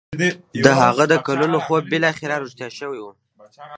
د هغه د کلونو خوب بالاخره رښتيا شوی و.